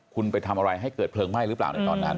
คุณไปทำอะไรให้เกิดเพลิงไหม้หรือเปล่าในตอนนั้น